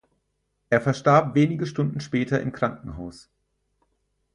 Er verstarb wenige Stunden später im Krankenhaus.